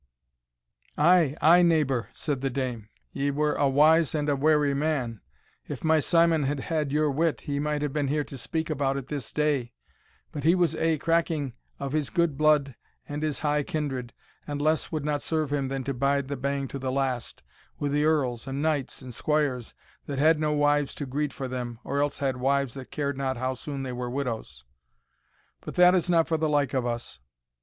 "Ay, ay, neighbour," said the dame, "ye were aye a wise and a wary man; if my Simon had had your wit, he might have been here to speak about it this day; but he was aye cracking of his good blood and his high kindred, and less would not serve him than to bide the bang to the last, with the earls, and knights, and squires, that had no wives to greet for them, or else had wives that cared not how soon they were widows; but that is not for the like of us.